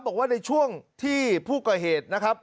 บอกว่าในช่วงที่ผู้ก่อเหตุนะครับ